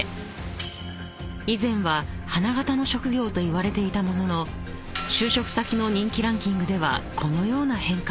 ［以前は花形の職業といわれていたものの就職先の人気ランキングではこのような変化が］